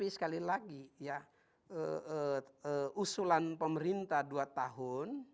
jadi usulan pemerintah dua tahun